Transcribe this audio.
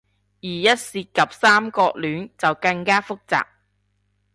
而一涉及三角戀，就更加複雜